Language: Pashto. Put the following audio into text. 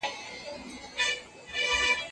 زاړه قوانین څنګه لغوه کیږي؟